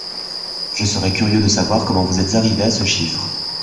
Je serais curieux de savoir comment vous êtes arrivé à ce chiffre